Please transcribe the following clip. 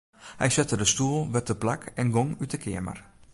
Hy sette de stoel wer teplak en gong út 'e keamer.